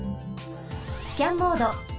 スキャンモード。